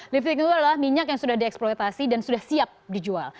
lifting itu adalah minyak yang sudah dieksploitasi dan sudah siap dijual